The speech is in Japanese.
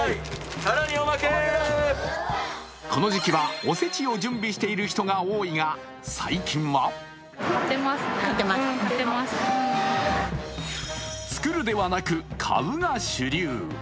この時期はおせちを準備している人が多いが、最近は作るではなく買うが主流。